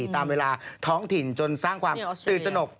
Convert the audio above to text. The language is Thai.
ตามเวลาท้องถิ่นจนสร้างความตื่นตนก